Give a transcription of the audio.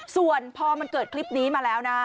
ส่วนพอมันเกิดคลิปนี้มาแล้วนะ